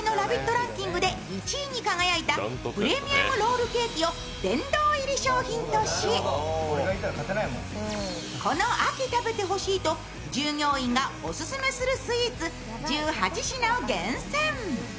ランキングで１位に輝いたプレミアムロールケーキを殿堂入り商品とし、この秋食べてほしいと従業員がオススメするスイーツ１８品を厳選。